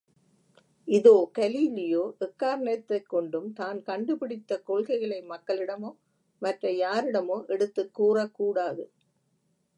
இதோ கலீலியோ எக்காரணத்தைக் கொண்டும் தான் கண்டுபிடித்தக் கொள்கைகளை மக்களிடமோ, மற்ற யாரிடமோ எடுத்துக் கூறக்கூடாது.